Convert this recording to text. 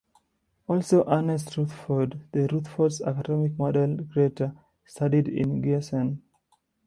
Also Ernest Rutherford, the Rutherford's atomic model creator, studied in Giessen.